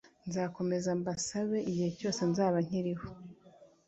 nzakomeza mbusabe igihe cyose nzaba nkiriho.